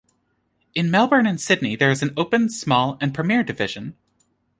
In Melbourne and Sydney there is an open, small and premier division.